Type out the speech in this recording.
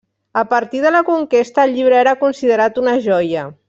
A partir de la conquesta, el llibre era considerat una joia.